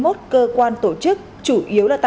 vụ việc đang được tiếp tục điều tra làm rõ